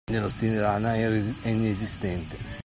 Nello stile rana è inesistente.